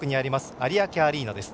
有明アリーナです。